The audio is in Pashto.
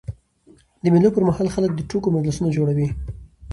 د مېلو پر مهال خلک د ټوکو مجلسونه جوړوي.